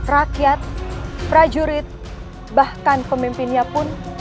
rakyat prajurit bahkan pemimpinnya pun